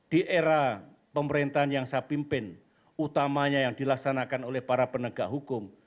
di era pemerintahan yang saya pimpin utamanya yang dilaksanakan oleh para penegak hukum